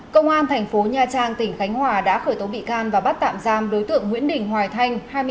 công an thành phố nha trang tỉnh khánh hòa đã khởi tố bị can và bắt tạm giam đối tượng nguyễn đình hoài thanh